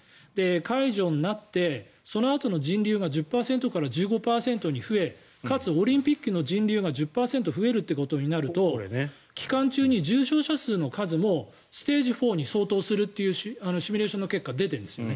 解除になって、そのあとの人流が１０％から１５％に増えかつ、オリンピックの人流が１０％増えるということになると期間中に重症者の数もステージ４に相当するというシミュレーションの結果が出てるんですね。